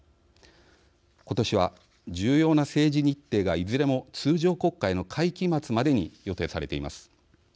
今年は重要な政治日程がいずれも通常国会の会期末までに予定されています。